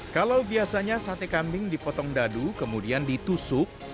kalau biasanya sate kambing dipotong dadu kemudian ditusuk